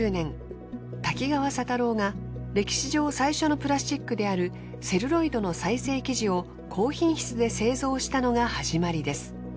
瀧川佐太郎が歴史上最初のプラスチックであるセルロイドの再製生地を高品質で製造したのが始まりです。